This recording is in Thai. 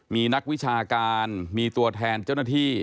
มีนักวิชาการมีตัวแทนเจ้าหน้าที่